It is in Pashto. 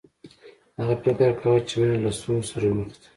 هغه فکر کاوه چې مینه له ستونزو سره مخ ده